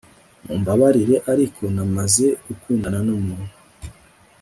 Mumbabarire ariko namaze gukundana numuntu